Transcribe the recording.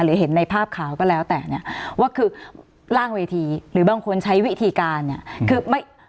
เห็นในภาพข่าวก็แล้วแต่เนี่ยว่าคือล่างเวทีหรือบางคนใช้วิธีการเนี่ยคือไม่